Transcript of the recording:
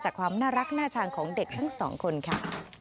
ความน่ารักน่าชังของเด็กทั้งสองคนค่ะ